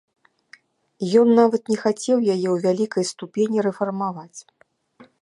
Ён нават не хацеў яе ў вялікай ступені рэфармаваць.